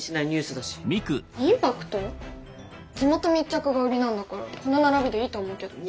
地元密着が売りなんだからこの並びでいいと思うけど。